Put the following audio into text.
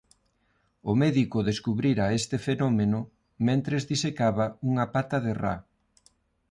O médico descubrira este fenómeno mentres disecaba unha pata de ra.